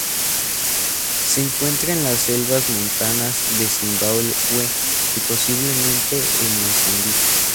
Se encuentra en las selvas montanas de Zimbabue y, posiblemente, en Mozambique.